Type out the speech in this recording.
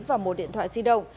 và một điện thoại di động